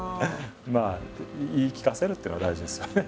言い聞かせるというのは大事ですよね。